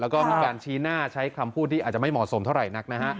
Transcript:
แล้วก็มีการชี้หน้าใช้คำพูดที่อาจจะไม่เหมาะสมเท่าไหร่นักนะฮะ